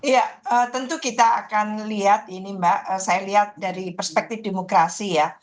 ya tentu kita akan lihat ini mbak saya lihat dari perspektif demokrasi ya